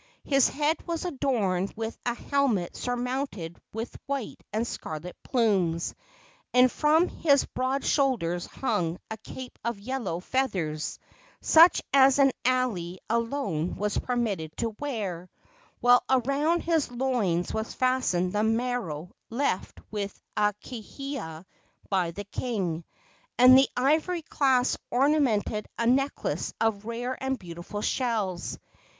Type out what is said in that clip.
His head was adorned with a helmet surmounted with white and scarlet plumes, and from his broad shoulders hung a cape of yellow feathers, such as an alii alone was permitted to wear, while around his loins was fastened the maro left with Akahia by the king, and the ivory clasp ornamented a necklace of rare and beautiful shells.